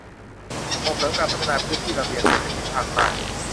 ส่งเสริมการพัฒนาพื้นที่ระเบียงเศรษฐกิจภาคใต้